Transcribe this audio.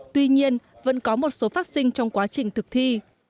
tuy nhiên vẫn có một số phát sinh trong quá trình thực thi